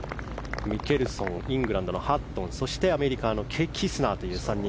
ミケルソンイングランドのハットンそしてアメリカのキスナーという３人。